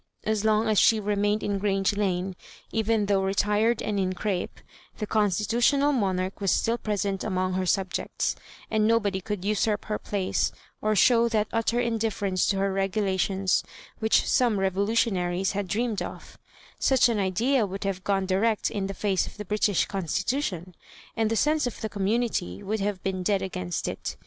As long as she remained in Grange Lane, even though retired and in crape, the constitutional monarch was still present among her subjects; and nobody could usurp her place or show that utter indifference to her regulations which some revolutionaries had dreamed oC Such an idea would have gone di rect in the face of the British Constitution, and the sense of the community would have been dead agamst It.